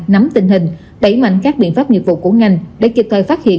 nắm tình hình đẩy mạnh các biện pháp nghiệp vụ của ngành để kịp thời phát hiện